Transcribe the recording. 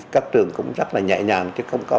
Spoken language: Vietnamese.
các trường cũng rất là nhẹ nhàng chứ không có